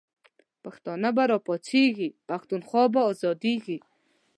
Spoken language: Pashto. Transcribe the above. پښتانه به را پاڅیږی، پښتونخوا به آزادیږی